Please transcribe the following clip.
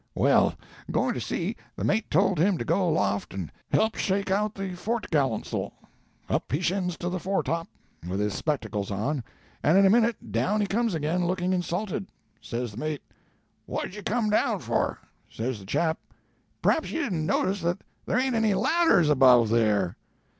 Well, going to sea, the mate told him to go aloft and help shake out the foreto'gallants'l. Up he shins to the foretop, with his spectacles on, and in a minute down he comes again, looking insulted. Says the mate, 'What did you come down for?' Says the chap, 'P'r'aps you didn't notice that there ain't any ladders above there.'